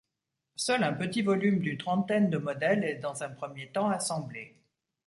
Seul un petit volume d'une trentaine de modèles est dans un premier temps assemblé.